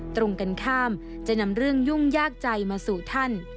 ตรงกันข้ามจะนำเรื่องยุ่งยากใจมาสู่ท่าน